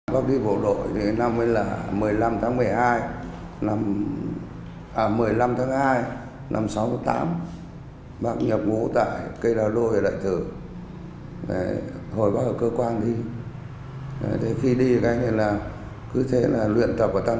bác đi bộ đội thì năm mới là một mươi năm tháng một mươi hai à một mươi năm tháng hai năm sáu tám